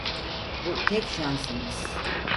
Bu tek şansımız.